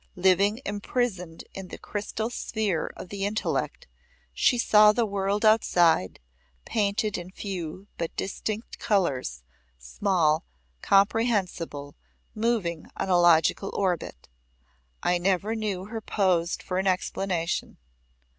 Living imprisoned in the crystal sphere of the intellect she saw the world outside, painted in few but distinct colours, small, comprehensible, moving on a logical orbit. I never knew her posed for an explanation.